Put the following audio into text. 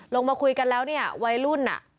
ลงมาคุยกันแล้วเนี่ยวัยรุ่นอ่ะ